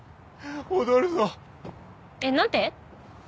えっ何て？